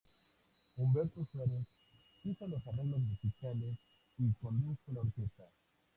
Humberto Suárez hizo los arreglos musicales y condujo la orquesta.